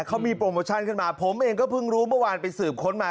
เขามีโปรโมชั่นขึ้นมาผมเองก็เพิ่งรู้เมื่อวานไปสืบค้นมา